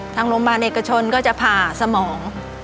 ทางโรงพยาบาลเอกชนก็จะผ่าสมอง